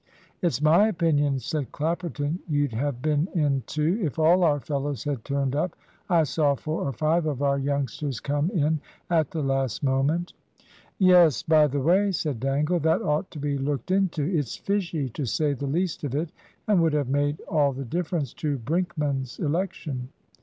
"It's my opinion," said Clapperton, "you'd have been in too, if all our fellows had turned up. I saw four or five of our youngsters come in at the last moment." "Yes by the way," said Dangle, "that ought to be looked into. It's fishy, to say the least of it, and would have made all the difference to Brinkman's election."